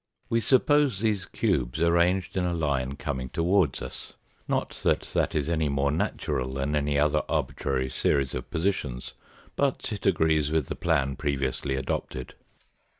We suppose these cubes arranged in a line coming towards us not that that is any more natural than any other arbitrary series of positions, but it agrees with the plan previously adopted.